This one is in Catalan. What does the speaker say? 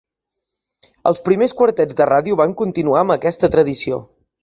Els primers quartets de ràdio van continuar amb aquesta tradició.